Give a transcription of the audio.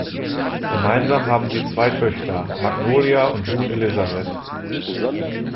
Gemeinsam haben sie zwei Töchter, Magnolia und June Elizabeth.